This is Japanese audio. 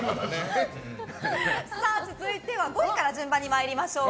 続いては５位から順番に参りましょう。